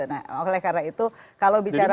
nah oleh karena itu kalau bicara